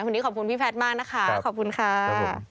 วันนี้ขอบคุณพี่แพทย์มากนะคะขอบคุณค่ะ